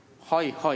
はい。